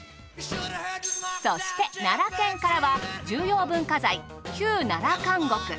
そして奈良県からは重要文化財旧奈良監獄。